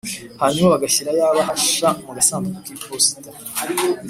hanyuma bagashyira ya bahasha mu gasanduku kiposita